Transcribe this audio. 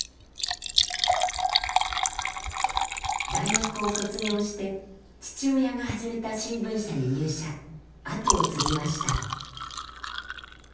大学を卒業して父親が始めた新聞社に入社後を継ぎました。